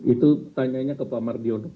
itu tanyanya ke pak mardiono